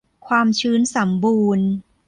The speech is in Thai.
ความชื้นสัมบูรณ์